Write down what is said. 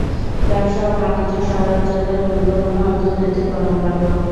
ব্যবসা ও বাণিজ্য শহরাঞ্চলের গুরুত্বপূর্ণ অর্থনৈতিক কর্মকাণ্ড।